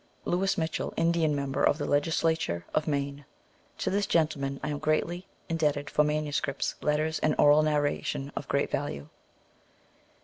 Louis Mitchell, Indian member of the Legislature of Maine. To this gentleman I am greatly indebted for manuscripts, letters, and oral narrations of great value.